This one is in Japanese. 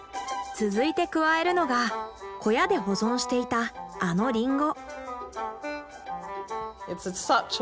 続いて加えるのが小屋で保存していたあのリンゴ。